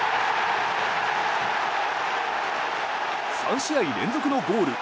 ３試合連続のゴール。